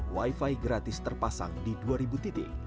wi fi gratis terpasang di dua ribu titik